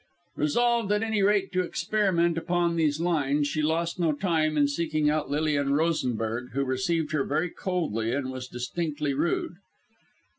Resolved at any rate to experiment upon these lines, she lost no time in seeking out Lilian Rosenberg, who received her very coldly and was distinctly rude.